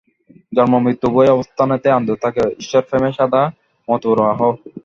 জন্ম-মৃত্যু উভয় অবস্থাতেই আনন্দে থাক, ঈশ্বরপ্রেমে সদা মাতোয়ারা হও।